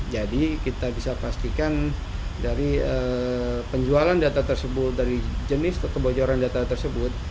jadi kita bisa pastikan dari penjualan data tersebut dari jenis kebocoran data tersebut